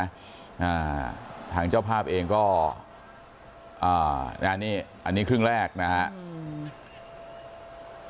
อ่าทางเจ้าภาพเองก็อ่าแล้วอันนี้อันนี้ครึ่งแรกนะฮะ